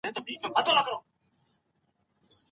په يووالي سره لويې ستونزي حل کيدلای سي.